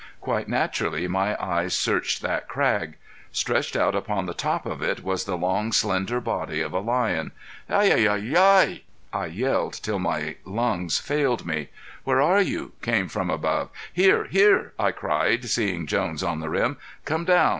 Quite naturally my eyes searched that crag. Stretched out upon the top of it was the long, slender body of a lion. "Hi! hi! hi! hi! hi!" I yelled till my lungs failed me. "Where are you?" came from above. "Here! Here!" I cried seeing Jones on the rim. "Come down.